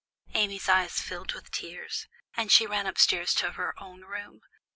Amy's eyes filled with tears, and she ran up stairs to her own room.